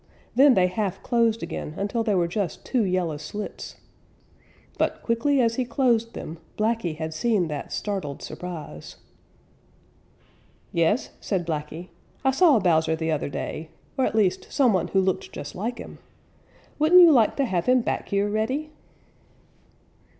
Then they half closed again until they were just two yellow slits. But quickly as he closed them, Blacky had seen that startled surprise. "Yes," said Blacky, "I saw Bowser the other day, or at least some one who looked just like him. Wouldn't you like to have him back here, Reddy?"